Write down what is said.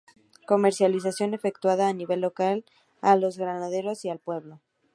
Comercialización efectuada a nivel local, a los ganaderos y al pueblo.